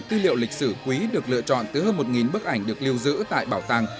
tư liệu lịch sử quý được lựa chọn từ hơn một bức ảnh được lưu giữ tại bảo tàng